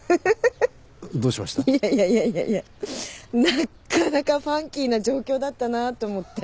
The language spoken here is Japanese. なかなかファンキーな状況だったなと思って。